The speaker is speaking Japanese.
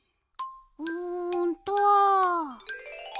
うんっと。